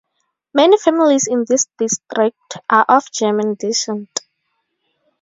Many families in this district are of German descent.